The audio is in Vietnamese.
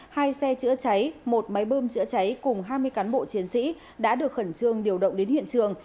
hai xe chữa cháy một máy bơm chữa cháy cùng hai mươi cán bộ chiến sĩ đã được khẩn trương điều động đến hiện trường